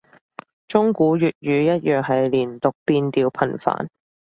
中古粵語一樣係連讀變調頻繁